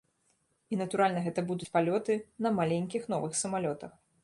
І, натуральна, гэта будуць палёты на маленькіх новых самалётах.